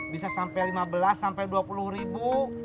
bisa sampai lima belas sampai dua puluh ribu